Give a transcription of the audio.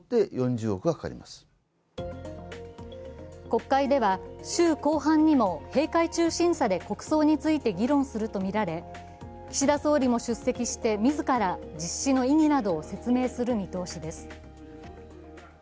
国会では、週後半にも閉会中審査で国葬について議論するとみられ岸田総理も出席して自ら実施の意義などを説明する見通しです。